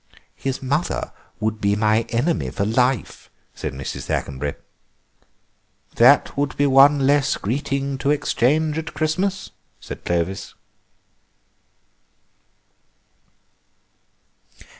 "His mother would be my enemy for life," said Mrs. Thackenbury. "That would be one greeting less to exchange at Christmas," said Clovis.